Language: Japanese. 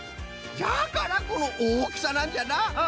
じゃからこのおおきさなんじゃな！